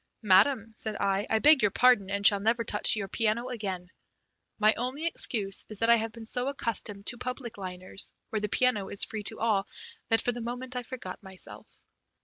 "Madam," said I, "I beg your pardon, and shall never touch your piano again. My only excuse is that I have been so accustomed to public liners, where the piano is free to all, that for the moment I forgot myself."